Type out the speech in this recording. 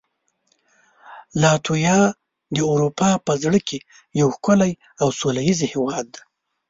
لاتویا د اروپا په زړه کې یو ښکلی او سولهییز هېواد دی.